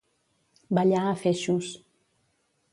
Ballar a feixos.